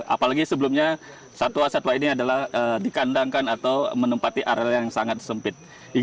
apalagi sebelumnya satwa satwa ini adalah dikandangkan atau menempati area yang sangat sempit